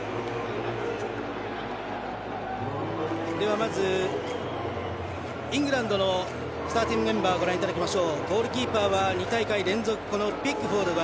まずイングランドのスターティングメンバーをご覧いただきましょう。